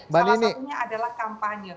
salah satunya adalah kampanye